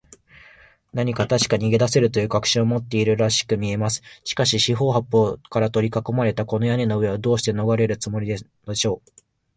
何かたしかに逃げだせるという確信を持っているらしくみえます。しかし、四ほう八ぽうからとりかこまれた、この屋根の上を、どうしてのがれるつもりでしょう。